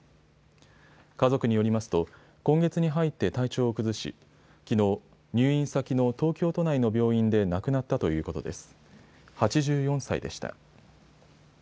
家族によりますと今月に入って体調を崩しきのう入院先の東京都内の病院で亡くなったということです。